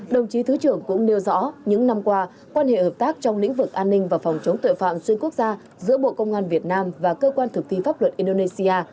đồng chí thứ trưởng cũng nêu rõ những năm qua quan hệ hợp tác trong lĩnh vực an ninh và phòng chống tội phạm xuyên quốc gia giữa bộ công an việt nam và cơ quan thực thi pháp luật indonesia